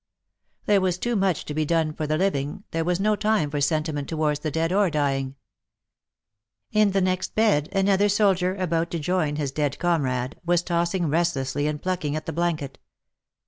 There was too much to be done for the living, there was no time for sentiment towards the dead or dying. In the next bed, another soldier, about to join his dead comrade, was tossing restlessly, and plucking at the blanket.